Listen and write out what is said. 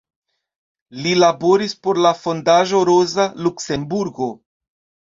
Li laboris por la Fondaĵo Roza Luksemburgo.